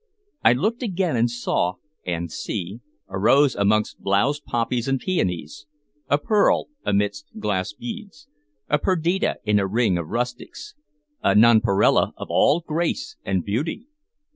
I looked again, and saw and see a rose amongst blowzed poppies and peonies, a pearl amidst glass beads, a Perdita in a ring of rustics, a nonparella of all grace and beauty!